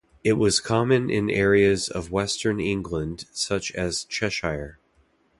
It was common in areas of western England such as Cheshire.